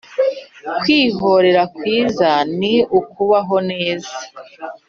kwihorera kwiza ni ukubaho neza